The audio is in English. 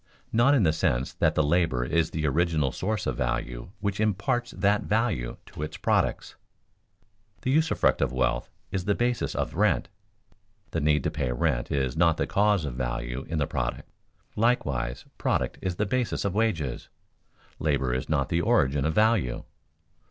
Not in the sense that the labor is the original source of value which imparts that value to its products. The usufruct of wealth is the basis of rent; the need to pay rent is not the cause of value in the product. Likewise, product is the basis of wages, labor is not the origin of value.